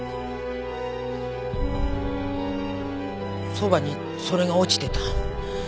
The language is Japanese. そばにそれが落ちてた。